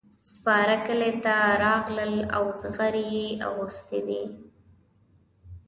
سپاره کلي ته راغلل او زغرې یې اغوستې وې.